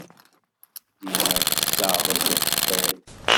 Dima tessaɣ-d akeffay.